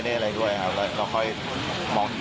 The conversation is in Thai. แล้วก็ค่อยมองถึงเรื่องเหมือนกัน